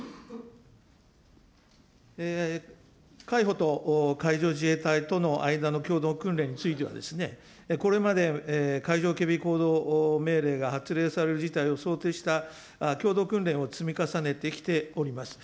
海保と海上自衛隊との間の共同訓練については、これまで海上警備行動命令が発令される事態を想定した共同訓練を積み重ねてきております。